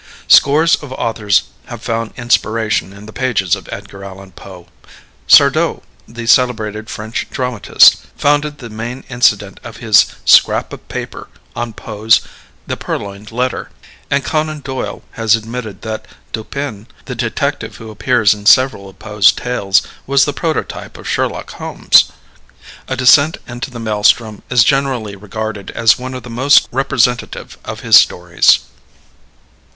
Scores of authors have found inspiration in the pages of Edgar Allan Poe. Sardou, the celebrated French dramatist, founded the main incident of his "Scrap of Paper" on Poe's "The Purloined Letter," and Conan Doyle has admitted that Dupin, the detective who appears in several of Poe's tales, was the prototype of Sherlock Holmes. "A Descent Into the Maelström" is generally regarded as one of the most representative of his stories.